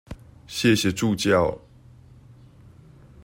謝謝助教